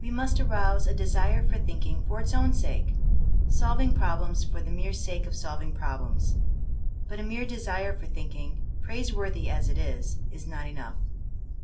We must arouse a de sire for thinking for its own sake ; solving prob lems for the mere sake of solving problems. But a mere desire for thinking, praiseworthy as it is, is not enough.